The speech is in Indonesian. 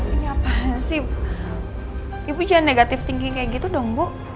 ini apa sih ibu jangan negatif tinggi kayak gitu dong bu